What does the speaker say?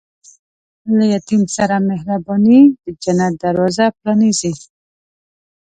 له یتیم سره مهرباني، د جنت دروازه پرانیزي.